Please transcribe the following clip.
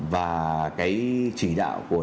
và cái chỉ đạo của